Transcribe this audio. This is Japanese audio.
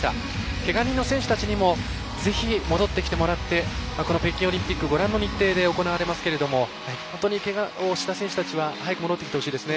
けが人の選手たちにもぜひ戻ってきてもらってこの北京オリンピックご覧の日程で行われますけども本当にけがをした選手たちは早く戻ってきてほしいですね。